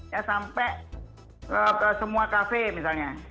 ya sampai semua kafe misalnya